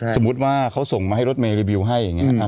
สมมุติว่าเขาส่งมาให้รถเมย์รีวิวให้อย่างนี้